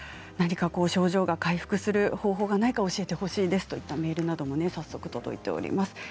何か症状が回復する方法はないか教えてほしいですといったメールなども早速、届いています。